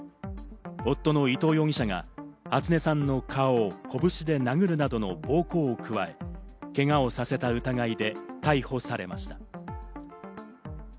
夫の伊藤容疑者が初音さんの顔を拳で殴るなどの暴行を加え、けがをさせた疑いで逮捕されました。